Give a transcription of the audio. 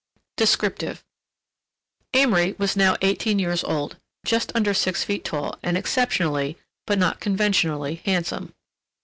DESCRIPTIVE Amory was now eighteen years old, just under six feet tall and exceptionally, but not conventionally, handsome.